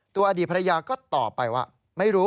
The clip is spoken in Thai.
อดีตภรรยาก็ตอบไปว่าไม่รู้